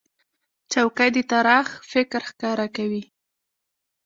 چوکۍ د طراح فکر ښکاره کوي.